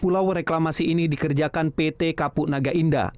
dua pulau reklamasi ini dikerjakan pt kaputnaga indah